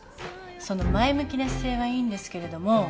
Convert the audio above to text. その前向きな姿勢はいいんですけれども。